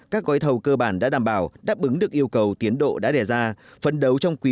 các gói thầu cơ bản đã đảm bảo đáp ứng được yêu cầu tiến độ đã đề ra phân đấu trong quý i